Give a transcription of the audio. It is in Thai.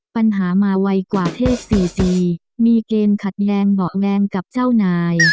ปัญหามาไวกว่าเพศ๔ปีมีเกณฑ์ขัดแย้งเบาะแวงกับเจ้านาย